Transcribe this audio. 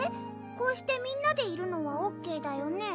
こうしてみんなでいるのはＯＫだよね？